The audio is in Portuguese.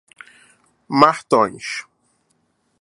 Matões